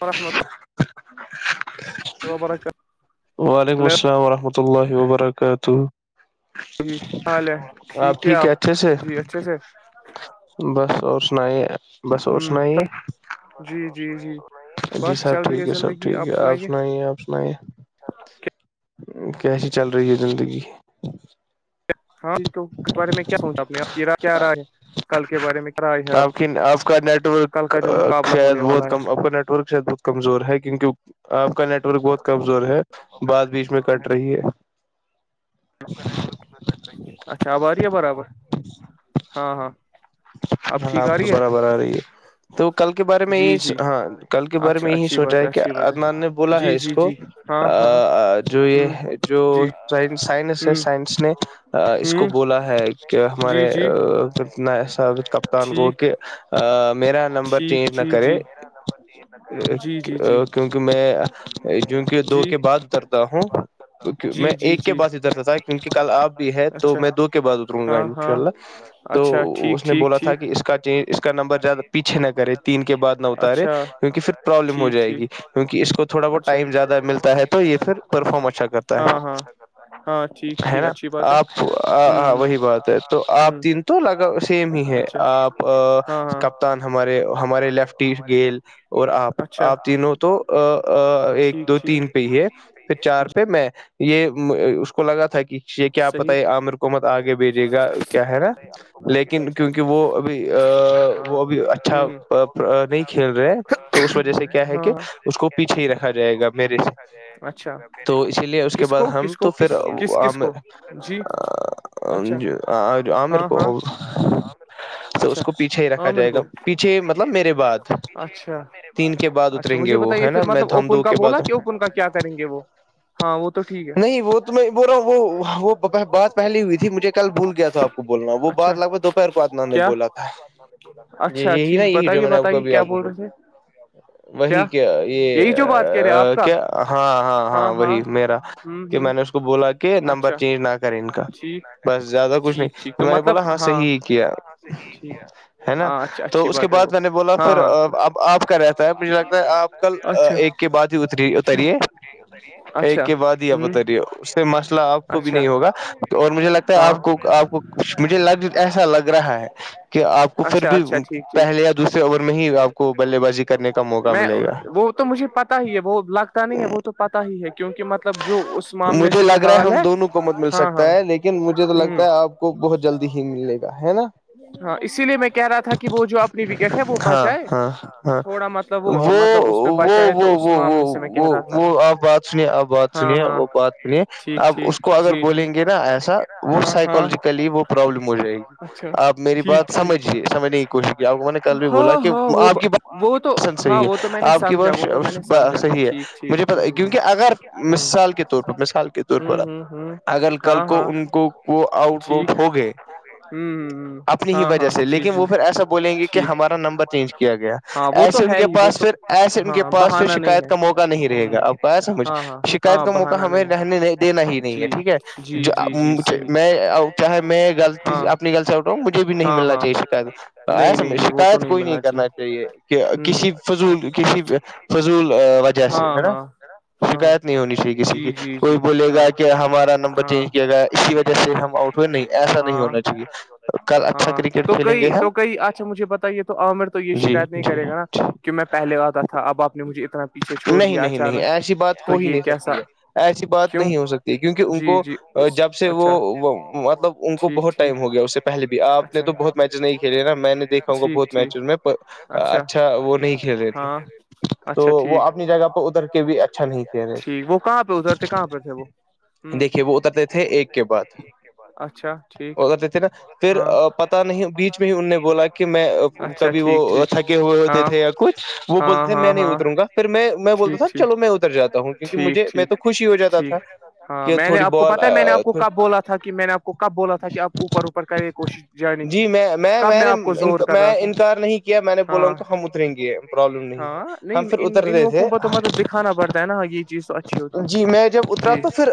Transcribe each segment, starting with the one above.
وورحمۃ اللہ [unintelligible] شا برا کر [unintelligible] وعلیکم السلام وورحمۃ اللہ وبرکاتہ جی حال ہے ٹھیک ہے آپ جی اچھے سے بس اور سنا ہی ہوں جی جی جی جی سب ٹھیک ہے سب ٹھیک ہے آپ سنائیے آپ سنائیے کیسی چل رہی ہے زندگی ہاں اس بارے میں کیا سن اپنے آپا کیا رہا ہے کل کے بارے میں کرائی ہے آپ کی کل کا جو مقابلہ ہونے والا ہے نیٹک شاید بہت کمزور ہے کیونک آپ کا نیٹ ورک بہت کمزور ہے بد بیچ میں ک رہی ہے [unintelligible] اچھا آباری ہے برابر ہاں ہاں ہاں اب تو برابر آ رہی ہے تو کل کے بارے میں یہی ہاں کل کے بارے میں یہی سوچا ہے کہ ادنان نے بولا ہے اس کو جو یہ جو سائنس ہے سائنس نے اس کو بولا ہے کہ ہمارے کتنا ایسا کپتان کو کہ میرا نمبر چینج نہ کرے کیونکہ میں جو کہ دو کے بعد کرتا ہوں میں ایک کے بعد اترتا تھا کیونکہ کل آپ بھی ہے تو میں دو کے بعد اتروں گا انشاء اللہ اچھا ٹھیک اس نے بولا تھا کہ اس کا چینج اس کا نمبر زیادہ پیچھے نہ کرے تین کے بعد نہ اتارے کیونکہ پھر پروابلم ہو جائے گی کیونکہ اس کو تھوڑا بہت ٹائم زیادہ ملتا ہے تو یہ پھر پرفارم اچھا کرتا ہے ہاں ہے نا آپ ہاں وہی بات ہے تو آپ تین تو لگا ہی ہے آپ کپ کپتان ہمارے ہمارے لیفٹی گیل اور آپ آپ تینوں تو ایک دو تین پہ ہی ہے پھر چار پہ میں یہ اس کو لگا تھا کہ یہ کیا پتا ہے عامر کو مت آگے بھیجے گا کیا ہے نا لیکن کیونکہ وہ ابھی وہ ابھی اچھا نہیں کھیل رہے تو اس وجہ سے کیا ہے کہ اس کو پیچھے ہی رکھا جائے گا میرے سے تو اسی لیے اس کے بعد ہم تو پھر عامر [unintelligible] اچھا عامر کو اچھا اچھا مجھے بتائیے پھر مطلب اوپن کا بولا کہ اوپن کا کیا کریں گے وہ ہاں وہ تو ٹھیک ہے میں بول رہا ہوں وہ بات پہلی ہوئی تھی مجھے کل بھول گیا تھا آپ کو بولنا وہ بات لگ بھگ دوپہر کو ادنان نے بولا تھا یہ یہی نا یہی جو میں نے ابھی آپ کو بولا وہی کہ یہ کیا ہاں ہاں ہاں وہی میرا ہمم ہمم ان کو بولا کہ نمبر چینج نہ کریں ان کا بس زیادہ کچھ نہیں میں نے ہاں صحیح ہی کیا ہے نا تو اس کے بعد میں نے بولا پھر اب آپ کا رہتا ہے مجھے لگتا ہے آپ کل ایک کے بعد ہی اتر اتریے ایک کے بعد ہی اتریے اس نے مسئلہ کو بھی نہیں ہوگا اور مجھے لگتا ہے آپ کو آپ کو مجھے ایسا لگ رہا ہے کہ آپ کو پھر بھی پہلے یا دوسرے اوور میں ہی آپ کو بلے بازی کرنے کا موقع ملے گا تو مجھے پتا ہی ہے وہ لگتا نہیں ہے وہ تو پتا ہی ہے کیونکہ مطلب جو اس معاملے سے جو حال ہے کو مت مل سکتا ہے لیکن مجھے تو لگتا ہے آپ کو بہت جلدی ہی ملے گا ہے نا ہاں اسی لیے میں کہہ رہا تھا کہ وہ جو اپنی وکٹ ہے وہ بچائے تھوڑا مت وہ وہ وہ وہ وہ وہ آپ بات سنیے آپ بات سنیے وہ بات سنیے آپ اس کو اگر بولیں گے نا ایسا وہ سائیکالوجیکلی وہ پروابلم ہو جائے گی آپ میری بات سمجھیے سمجھنے کی کوشش کی آپ کو میں نے کل بھی بولا کہ آپ کی بات سب صحیح ہے آپ کی بات صحیح ہے مجھے پتا ہے کیونکہ اگر مثال کے طور پر مثال کے طور پر آپ اگر کل کو ان کو وہ آؤٹ واؤٹ ہوگیے ہمم اپنی ہی وجہ سے لیکن وہ پھر ایسا بولیں گے کہ ہمارا نمبر چینج کیا گیا ایسے ان کے پاس پھر ایسے ان کے پاس پھر شکایت کا موقع نہیں رہے گا آپ کو آیا سمجھ شکایت شکیت کا موقع ہمیں رہنے نہیں- دین ہی نہیں ہے ٹھیک ہے میں چاہے میں غلط اپنی گل سے اٹھا مجھے بھی نہیں ملنا چاہیے شکایت ایسم شکایت کوئی نہیں کرنا چاہیے کہ کسی فضول کسی فضول وجہ سے ہے نا- ہاں- نہیں ہونی چاہیےسی کی کوئی بولے- گا کہ ہمارا نمبر چینج کیا گیا اسی وجہ سے ہم آؤٹ ہوئے نہیں ایسا نہیں ہونا چاہیے ہاں تو کئی تو کئی اچھا مجھے پت یہ تو عامر تو یہ شکایت نہیں کرے گا نا کہ میں- پہلے آتا تھا اب آپ نے مجھے اتنا- نہیں نہیں نہیں ایسی بات ہو ہی نہیں سکتی ہے ایسی بات نہیں ہو سکتی کیونکہ ان کو جب سے وہ مطلب ان کو بہت ٹائم ہو گیا اس سے- پہلے بھی آپ نے تو بہت میچز نہیں کھیلے نا میں نے دیکھاؤ گا بہت میچیز میںچھ- اچھا وہ نہیں کھیل رہے تھے تو وہ اپنی جگہ پرہ اتر کے بھی اچھا نہیں کہہ رہے تھے- دیکھیے وہ اترتے تھے ایک کے بعد- اچھا ٹھیک وہ کر دی تھے نا پھر پتہ نہیں بیچ میں ہی ان نے بولا کہ میں- کبھی وہ تھکے ہوئے ہوتے تھے یا کچھ وہ بولتے تھے میں نہیں اتروں گا پھر میں میں بولتا تھا- چلو میں ادھر جاتا ہوں کیونک مجھے میں تو خوشی- ٹھیک ہاں میں نے آپ کو پتاہ ہے میں نے آپ کو کب بولا تھا کہ میں نے آپ کو- کو کب بولا تھا کہ آپ اوپر اوپر کرے کوشش جانے کی کب میں آپ کو زور کر رہا تھا- کیا میں نے بولا ہوں تو ہم اتریں گے پرابلم نہیں ہے ہم پھر اتر رہے تھے- کھا پڑتا ہے ناے جی میں جو اترا تو پھر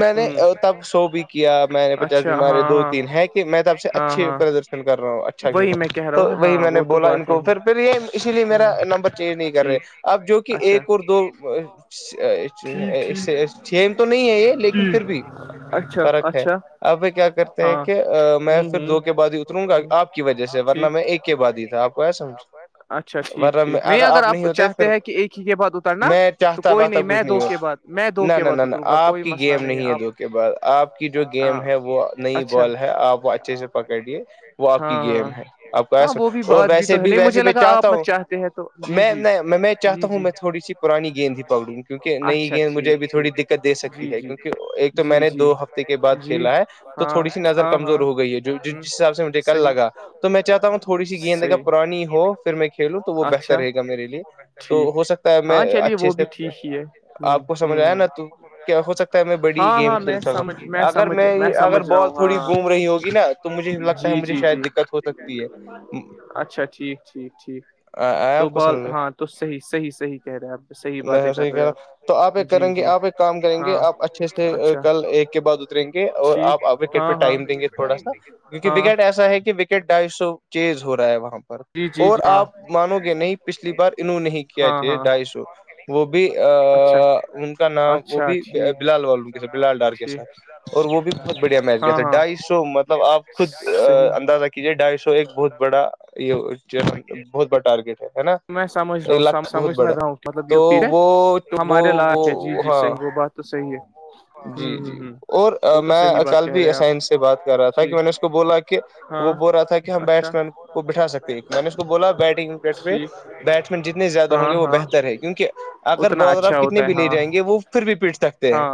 میں نے تب سو بھی کیا میں نے پچاس بھی مارے دو تین ہیں کہ- کہ میں تو آپ سے اچھے پردرشن کر رہا ہوں اچھا کھیل رہا ہوں تو وہی میں نے بولا ان کو پھر پھر یہ اسی لیے میرا نمبر چینج نہیں کر رہے آپ جو کہ ایک اور دو سم تو نہیں ہے یہ لیکن پھر بھی- فرق ہے اب کیا کرتے ہیں کہ میں پھر دھو کے بعد ہی اتروں گا آپ- کی وجہ سے ورنہ میں ایک کے بعاد ہی تھا آ کو کیا سمجھ- اچھا ٹھیک ٹھیک نہیں اگر آپ چاہتے ہیں کہ ایک ہی کے بعد اترنا تو کوئی نہیں میں دو- کے بد میں دو- نہ- نہ ن آپ کی گیم نہیں ہے دو کے بعد آپ کی جو گیم ہے وہ نئی بال ہے آپ وہ اچھے سے- پکڑے وہ آپ کی گیم ہے آپ کو ایس اور ویسے بھی ویسے میں چاہتا ہوں- میں میں میں چاہتا ہوں میں تھوڑی سی پرانی گیند ہی پکڑوں کیونکہ نئی گیند مجھے تھوڑی دقت دے سکتی ہے کیونکہ ایک تو میں نے دو ہفتے کے بعد کھیلا ہے تو تھوڑی سی نظر کمزور ہو گئی ہے جو- جس حساب سے مجھے کا لگا تو میں چاہتا ہوں تھوڑی سی گیندگا پرانی ہو پھر میں- کھیلوں تو وہ بہتر رہے گا میرے لیے تو ہو سکتا ہے میں اچھے سے آپ سمجھ آیا نا تو کیا ہو سکتا ہے میں بڑی گیم کھیل سکا ہوں اگر میں اگر بال تو- تھوڑی گھوم رہی ہوگی نا تو مجھے لگتا ہے مجھے شاید دقت ہو سکتی ہے- اچھا ٹھیک- ٹھیک- ٹھیک تو بال- ہاں تو صح صحیح- صحیح کہہ رہے ہیں آپ صحیح باتیں کر رہے آپ- تو آپ ایک کریں گے آپ ایک کام کریں گے آپ اچھے سے کل ایک کے بعد اتریں گے اور آپ- وکٹ پہ ٹائم دیں گے تھوڑا سا کیونکہ وکٹ ایسا ہے کہ وکٹ ڈھائی سو چیز ہو رہا ہے وہاں پہ- اور آپ مانو گے نہیں پچھلی بار انوں نہیں کیا چاہیے ڈھائی سو وہ بھی- ا ان کا نام وہ بھی بلال وال ان کے ساتھ بلال ڈار کے ساتھ- اور وہ بھی بہت بڑھیا میچ گیا تھا ڈھائی سو مطلب آپ خود اندازہ کیجے ڈھائی سو ایک بہت بڑا یہ- بہت بڑا ٹارگیٹ ہے ہے نا ایک لاکھ بہت بڑا ہے تو- وہ- وہ -وہ ہاں- وہ بات تو صحیح ہے جی جی اور میں کل بھی سائنس سے بات کر رہا تھا کہ میں نے اس کو بولا کہ وہ بول رہا تھا کہ ہم بیٹس مین بٹھا سکتے میں نے اس کو بولا بیٹنگ وکٹہ بیٹسمین جتنے زیادہ ہوں گے وہ بہتر ہے کیونکہ اگر بولر آپ کتنے بھی لے جائیں گے وہ پھر بھی پیٹ سکتے ہیں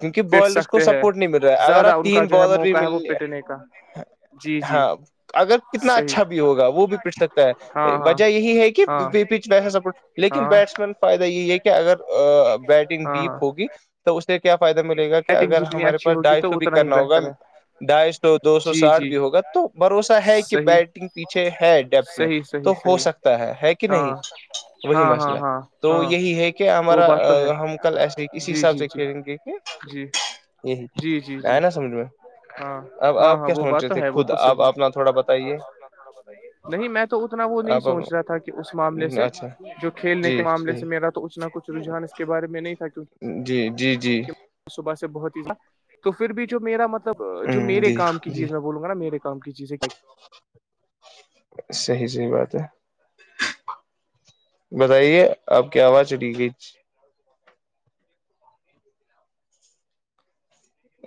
کیونکہ بالرس کو سپورٹ نہیں مل رہا ہے اگر آپ تین بالر بھی مل رہے ہاں اگر کتنا اچھا ہوگا وہ بھی پٹ سکتا ہے وجہ یہی ہے کہ پچ ویسا سپورٹ لیکن بیٹسمین فائدہ یہ ہے کہ اگر بیٹنگ ڈیپ ہوگی تو اس سے کیا فائدہ ملے گا کہ اگر ہمارے پاس ڈائٹ تو بھی کرنا ہوگا ڈھائی سو دو سو ساٹھ بھی ہوگا تو بھروسہ ہے کہ بیٹنگ پیچھے ہے ڈیپت میں تو ہو سکتا ہے ہے کہ نہیں وہی مسئلہ تو یہی ہے کہ کہ ہمارا ہم کل ایسے ہی کسی حساب سے کھیلیں گے یہی آ نا سمجھ میں اب آپ کیا سمچ رہے تھے خود آپ آپنا تھوڑا بتائیے نہیں میں تو اتنا وہ نہیں سوچ رہا تھا کہ اس معاملے سے جو کھیلنے کے معاملے سے میرا تو اتنا کچھ رجحان اس کے بارے میں نہیں تھا کیکہ جی جی جی صبح سے بہت ہی تو پھر بھی جو میرا مطلب جو میرے کام کی چیز میں بولوں نا میرے کام کی چیزیں صحی صحی بات ہے بتائیے آپ کیا آواز چلییے گئی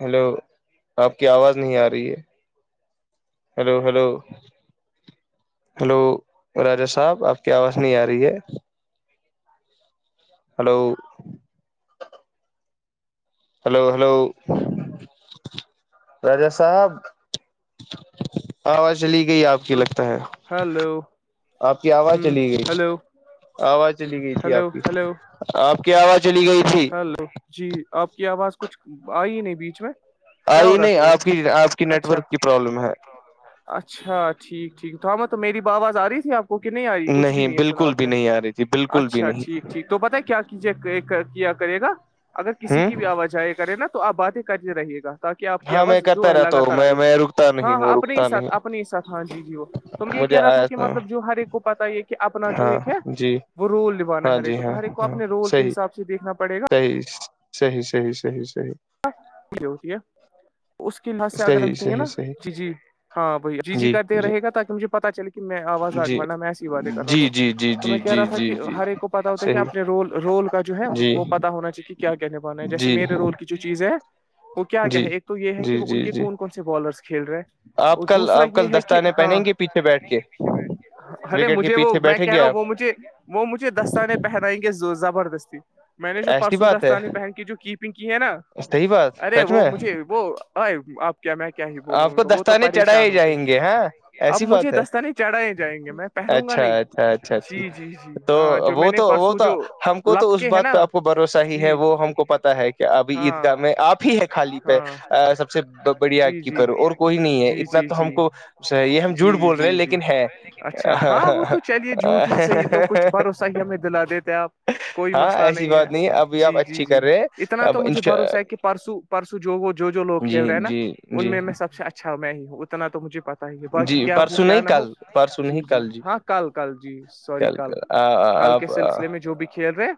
ہیلو آپ کی آواز نہیں آ رہی ہے ہلو ہلو ہلو راجہ صاحب آپ کی آواز نہیں آ رہی ہے ہلو ہلو ہلو راجا صاحب آواز چلی گئی آپ ہلو آپ کی آواز چلی گئی آواز چلی گئی تھی آپ کی آپ کی آواز چلی گئی تھی ہلو جی آپ کی آواز کچھ آئی نہیں بیچ میں آئی نہیں آپ کی آپ کی نیٹ ورک کی پرابلم ہے تو اچھا ٹھیک ٹھیک تومت تو میری ب آواز آ رہی تھی آپ اک نہیں آ رہی کچھ بھی نہیں ہے سنا آپ نے اچھا ٹھیک ٹھیک تو پت کیا کیجیے کیا کرے گا اگر کسی کی بھی آوازیں کرے نا تو آپ باتیں رہیے گا تاکہ آپ کی آواز جو ہے لگاتار آئی کرے ہاں ہاں اپنے ہی ساتھ اپنے ہی ساتھ ہاں جی جی وہ تو یہ کہہ رہا تھا کہ مطلب جو ہر ایک کو پتا ہے اپنا جو ایک ہے وہ رول نبانا ہے ہرے کو تو ہر ایک کو اپنے رول کے حساب سے دیکھنا پڑے گا صی صحیح صحیح صحی صیح جو ہوتی ہے اس کے لحاظ سے آگر رکھیں گے نا جی جی ہاں بھ جی جی کرتے رہے گا تاکہ مجھے پتا چلے میں آواز آج مڑنا میں ایسی باتیں کر رہا ہوں تو میں کہہ رہا تھا کہ ہر ایک کو پتا ہوتا ہے کہ اپنے رول رول کا جو ہے وہ پتا ہونا چاہیے کہ کیا کہنےبانا ہے جیسے میرے رول کی جو چیزیں ہیں وہ کیا ہے ایک تو یہ ہے کہ وہ ان کے کون کون سے بالرس کھیل رہے ہیں اور دوسرا یہ ہے کہ ہاں بنےیں گے پیچھے بیٹھ ارے مجھے وہ میں کہہ رہا ہوں وہ مجھے وہ مجھے دستانے پہنائیں گے زبردستی میں نے جو پرسوں دستانے پہن کے جو کی پنکی ہے نا ارے وہ مجھے وہ ا آپ کیا میں کیا ہی بولوں ان کو وہ تو پریشان ہوتے اب مجھے دستانے چڑھائے جائیں گے میں اچھا اچھا اچھا اچا تو وہ تو وہ تو ہم کو تو اس بات پہ بھروسہ ہی ہے وہ ہم کو پتا ہے کہ اب عید گاہ میں آپ ہی ہے خالی پہ سب سے بڑی آگ کیپر اور کوئی نہیں ہے اتنا تو ہم کو یہ ہم جوٹ بول رہے ہیں لیکن ہے اچھا ہاں وہ تو چلیے جھوٹ ہی سےحیح تو کچھ بھروسہ ہی ہمیں دلا دیتے آپ کوئی مسئلہ نہیں ہے جی جی جی اتنا تو مجھے بھروسہ ہے کہ پرسو پرسو جو وہ جو جو لوگ کھیل رہے ہیں نا ان میں میں سب سے اچھا میں ہی ہوں اتنا تو مجھے پتا بت ہیے باقی کیا ہو کیا نہ ہو جی جی ہاں کل کل جی سوری کل کل کے سلسلے میں جو بھی کھیل رہے ہیں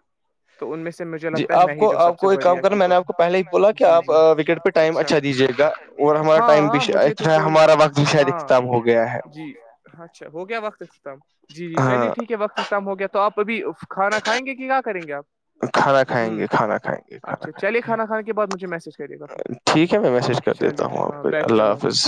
تو ان میں سے مجھے لگتا ہے میں ہی جو سب سے بڑھیا سر میں نے آپ کو پہلے ہی بولا کہ آپ وکٹ پہ ٹائم اچھاجیے گا اور ہمارا ٹائم بھی تو کوئی ہاں جی اچھا ہو گیا وقتم جی جی چلیے ٹھیک ہے وقت اتم ہو گیا تو آپ ابھی کھانا کھائیں گے کہ کیا کریں گے آپ کھانا کھائیں گے کھانا کھائیں گے اچھا چلیے کھانا کھے کے بعدجھے میسج کرے گا پھر اھ میں میسیج کر دیتا ہوں آپ کو اللہ حافظ